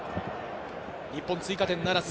日本、追加点ならず。